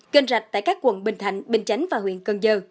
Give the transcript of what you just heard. kênh rạch tại các quận bình thạnh bình chánh và huyện cần giờ